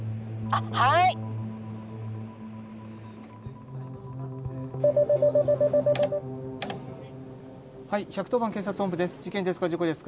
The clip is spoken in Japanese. ☎はい１１０番警察本部です。